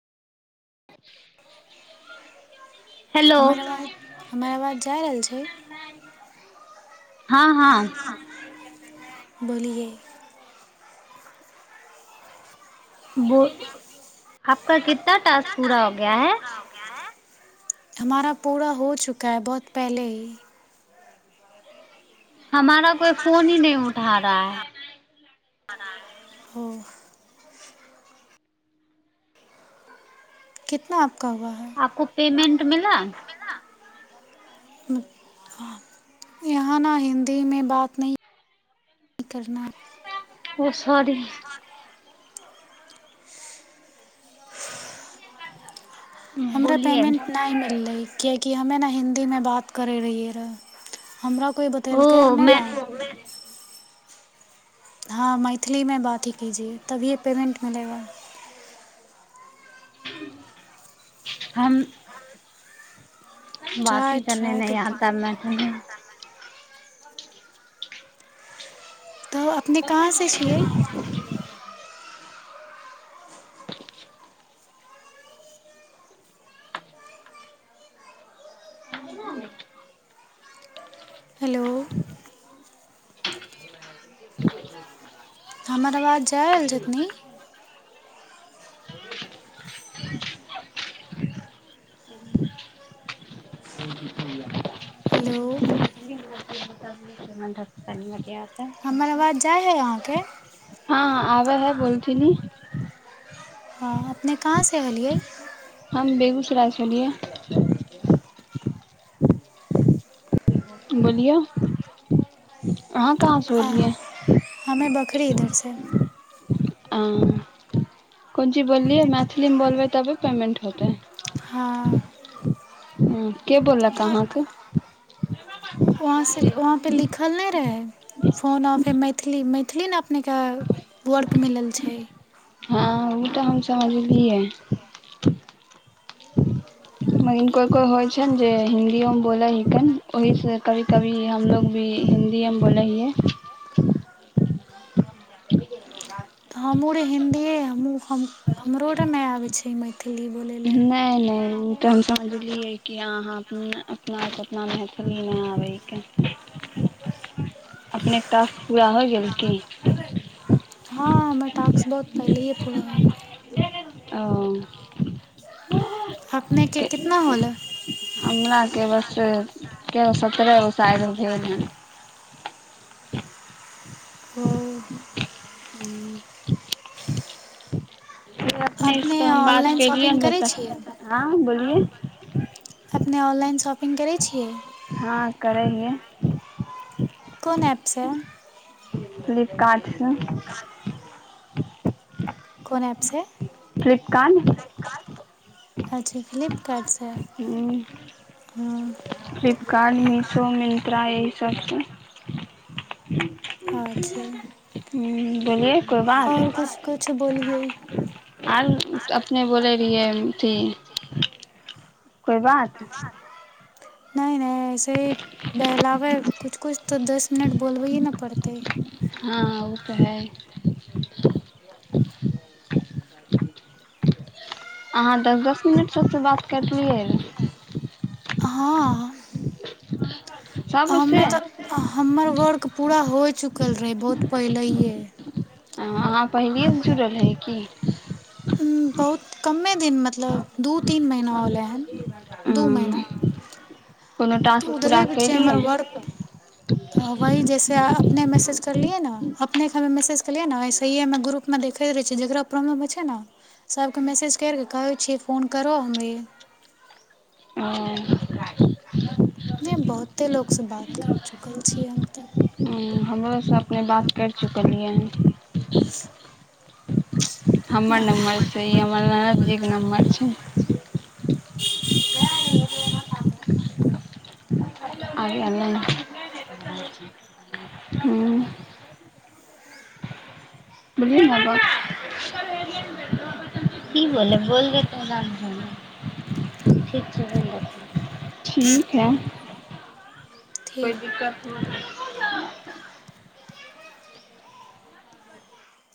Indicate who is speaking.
Speaker 1: [inaudible] hello
Speaker 2: हमर आवाज जा रहल छै
Speaker 1: हाँ हाँ
Speaker 2: बोलिए
Speaker 1: [inaudible] बो आपका कितना टास्क पूरा हो गया है [inaudible]
Speaker 2: [inaudible] हमारा पूरा हो चुका है बहुत पहिले ही [inaudible]
Speaker 1: [inaudible] हमारा कोई फोन ही नहि उठा रहा है [inaudible]
Speaker 2: हो [inaudible] कितना आपका हुआ [inaudible]
Speaker 1: [inaudible] आपको पेमेंट मिल [inaudible]
Speaker 2: [inaudible] यहाँ ने हिन्दी मे बात न करना [inaudible]
Speaker 1: ओ सरीी [inaudible] करत [inaudible]
Speaker 2: हमरा पेमेंट नहि मिललै कियाकि कि हमे ने हिन्दीमे बात करै रहियै रहै हमरा कोइ बतेलकै रऽ
Speaker 1: ओ मैं
Speaker 2: नहि ने हँ मैथिलीमे बात ही कीजिए तभिये पेमेन्ट मिलेगा [inaudible]
Speaker 1: हमन [inaudible] [inaudible]
Speaker 2: ट्राइ
Speaker 1: बाती करने
Speaker 2: ट्राइ
Speaker 1: नहि
Speaker 2: तो
Speaker 1: आता
Speaker 2: कीजिए
Speaker 1: मै त [inaudible]
Speaker 2: तऽ अपने कहाँसँ छियै हेलो हमर आवाज जाय आयल छथिन हेलो
Speaker 1: मत [inaudible]
Speaker 2: मन बाद जाइ हइ अहाँके
Speaker 1: हँ हँ आ है बोलती नी
Speaker 2: हँ अपने कहाँसँ एलियै
Speaker 1: हम बेगूसराय से होलियै बोलियौ अहाँ कहाँ से एलियै
Speaker 2: हमे बखरी इधरसँ
Speaker 1: ह कोन चीज बोललियै मैथिलीमे बोलबै तबे पेमेंट होतै
Speaker 2: हँ
Speaker 1: ह के बोललक अहाँके
Speaker 2: वहाँ से वहाँ पे लि- लिखल नहि रहै फोन आफे मैथिली मैथिली ने अपनेके वर्क मिलल छै
Speaker 1: हँ ओ तऽ हम समझलियै मगिन कोइ कोइ होइ छै ने जे हिंदिओमे बोलै हिकन ओहीसँ कभी कभी हमलोग भी हिंदिएमे बोलै हियै [unintelligible]
Speaker 2: हमहूँ आर हिन्दिए हमहूँ हमरो आर नहि आबै छै मैथिली
Speaker 1: नहि
Speaker 2: बोलैलाए
Speaker 1: नहि ओ तऽ हम समझलियै कि अहाँ अपना अपना मैथिली नहि आबैके अपनेके टास्क पूरा होइ गेल की [unintelligible]
Speaker 2: टास् बहुत पहिले ह कइ गेल
Speaker 1: ओ [unintelligible]
Speaker 2: हकने के कितना होलै ह [inaudible]
Speaker 1: हमराकरे बस कएगो सत्रह गो साालि भेल हन
Speaker 2: ओ
Speaker 1: ह फ
Speaker 2: अपने
Speaker 1: अपनेसँ हम बात
Speaker 2: ऑनलाइन
Speaker 1: केलियै
Speaker 2: शॉपिंग करै
Speaker 1: ने
Speaker 2: छियै
Speaker 1: हँ बोलिे
Speaker 2: अपने ऑनलाइन शॉपिंग करै छियै
Speaker 1: हँ करै हियै
Speaker 2: कोन एपसँ
Speaker 1: फ्लिपकार्ट सँ
Speaker 2: कोन एपसँ
Speaker 1: फ्लिपकार्न
Speaker 2: अच्छा फ्लिपकार्ट
Speaker 1: ह प कार्ट मिशो मिन्त्रा एहि सबसँ
Speaker 2: अच्छा
Speaker 1: बोलै
Speaker 2: ह ब
Speaker 1: आल [inaudible] अपने बोलै रहियै अथी कोइ बात
Speaker 2: से बहलावे कुछ तऽ दस मिनट बोलबैए ने पड़तै
Speaker 1: हँ ओ हइ अहाँ दस दस मिनट सभसँ बात करलियै
Speaker 2: हँ
Speaker 1: सभ
Speaker 2: हमे
Speaker 1: सें
Speaker 2: तऽ हमर वर्क पूरा होइ चुकल रहै बहुत पहलिए
Speaker 1: अहाँ पहिलएसँ जुड़ल रहै की
Speaker 2: बहुत कमे तीन दिन मतलब दू तीन महीना होलै हन दू महीना
Speaker 1: कोनो
Speaker 2: त
Speaker 1: टास्क
Speaker 2: उधरे
Speaker 1: पूरा
Speaker 2: भी छै हमर
Speaker 1: कयलियै
Speaker 2: वर्क त वहि जैसे अपने मैसेज करलियए न अपनेके हमे मैसेज केलियै ने ओसेहिए हमे ग्रुपमे देखैत रहै छियै जकरा प्रॉब्लम होइ छै ने सबके मैसेज करिक कहै छै फोन करऽ हममे
Speaker 1: ओ
Speaker 2: मे बहुते लोक सँ बात करि चुकल छियै हम तऽ
Speaker 1: हमरोसँ अपने बात करि चुकलियै हन हमर नम्बर छै ई हमर ननद जीके नम्बर छै आबै अलै हँ [inaudible] की बोल बोल देतेै ठीक छै बोल ठीक है कोइ
Speaker 2: ठीक
Speaker 1: दिक्कत [unintelligible]